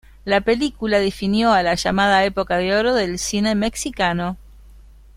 La película definió a la llamada Época de oro del cine mexicano.